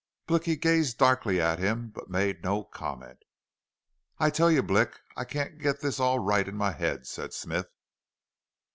Blicky gazed darkly at him, but made no comment. "I tell you Blick, I can't git this all right in my head," said Smith.